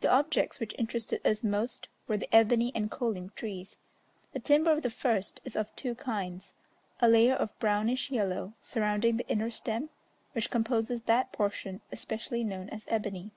The objects which interested us most were the ebony and kolim trees. The timber of the first is of two kinds, a layer of brownish yellow surrounding the inner stem, which composes that portion especially known as ebony.